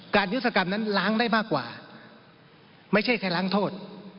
การนิระโทษกรรมนั้นล้างได้มากกว่าไม่ใช่แค่ล้างโทษ